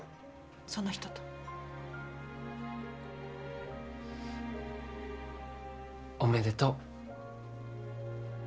その人と。おめでとう。